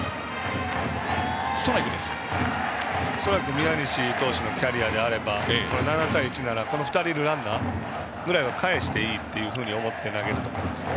宮西投手のキャリアであれば７対１なら２人いるランナーぐらいはかえしていいと思って投げると思いますね。